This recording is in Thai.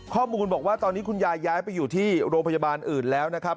ข้อมูลบอกว่าตอนนี้คุณยายย้ายไปอยู่ที่โรงพยาบาลอื่นแล้วนะครับ